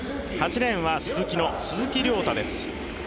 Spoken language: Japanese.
８レーンはスズキの鈴木涼太です。